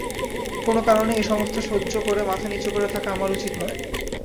কোনো কারণেই এ-সমস্ত সহ্য করে মাথা নিচু করে থাকা আমার উচিত নয়।